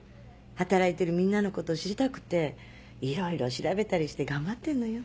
働いてるみんなのこと知りたくていろいろ調べたりして頑張ってんのよ。